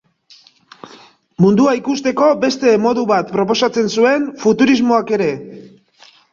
Mundua ikusteko beste modu bat proposatzen zuen futurismoak ere.